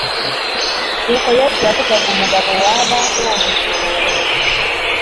ni uko yesu yavugaga umugabo waba woheje umugore